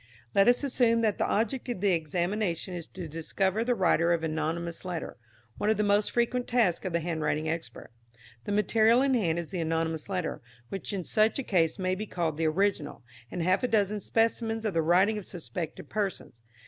Let us assume that the object of the examination is to discover the writer of an anonymous letter one of the most frequent tasks of the handwriting expert. The material in hand is the anonymous letter, which in such a case may be called the Original, and half a dozen specimens of the writing of suspected persons.